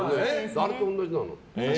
あれと同じなの。